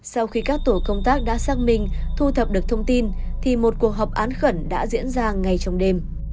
sau khi các tổ công tác đã xác minh thu thập được thông tin thì một cuộc họp án khẩn đã diễn ra ngay trong đêm